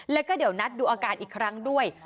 แล้วก็เดี๋ยวนัดดูอาการอีกครั้งด้วย